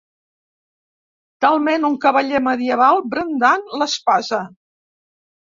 Talment un cavaller medieval brandant l'espasa.